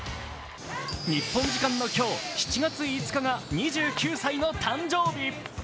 日本時間の今日、７月５日が２９歳の誕生日。